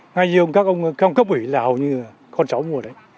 ngày dường các ông cấp ủy là hầu như con chó mùa đấy